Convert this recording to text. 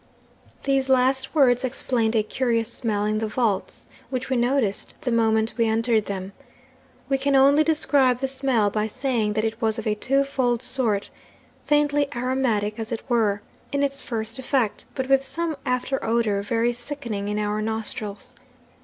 'These last words explained a curious smell in the vaults, which we noticed the moment we entered them. We can only describe the smell by saying that it was of a twofold sort faintly aromatic, as it were, in its first effect, but with some after odour very sickening in our nostrils.